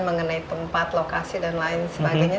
mengenai tempat lokasi dan lain sebagainya